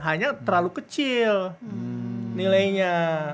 hanya terlalu kecil nilainya